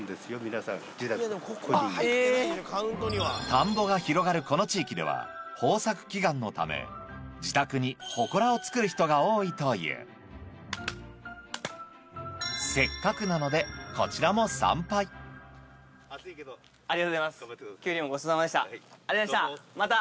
田んぼが広がるこの地域では豊作祈願のため自宅にほこらを作る人が多いというせっかくなのでありがとうございました！